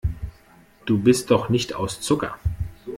Du bist doch nicht aus Zucker.